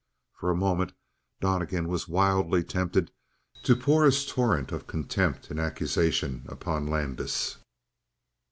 For a moment Donnegan was wildly tempted to pour his torrent of contempt and accusation upon Landis.